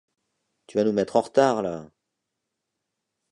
Tu vas nous mettre en retard, là !